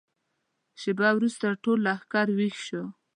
شېبه وروسته ټول لښکر ويښ شو.